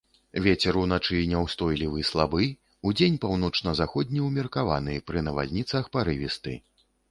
Вецер уначы няўстойлівы слабы, удзень паўночна-заходні ўмеркаваны, пры навальніцах парывісты.